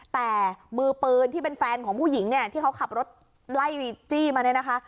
แต่มือปืนที่เป็นแฟนของผู้หญิงเนี่ยที่เขาขับรถไล่จี้มาเนี่ยนะคะ